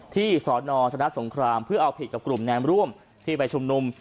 สอนอธนสงครามเพื่อเอาผิดกับกลุ่มแนมร่วมที่ไปชุมนุม